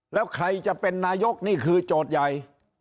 แล้วใครจะเป็นนายกนี่คือโจทย์ใหญ่